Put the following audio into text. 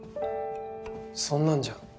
そんなんじゃ。